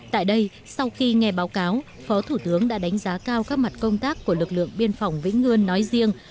tại đây sau khi nghe báo cáo phó thủ tướng đã đánh giá cao các mặt công tác của lực lượng biên phòng vĩnh ngươn nói riêng